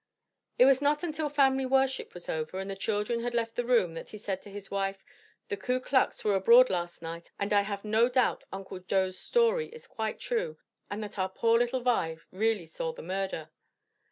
It was not until family worship was over and the children had left the room that he said to his wife, "The Ku Klux were abroad last night and I have no doubt Uncle Joe's story is quite true, and that our poor little Vi really saw the murder."